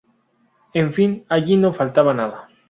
En fin allí no faltaba nada.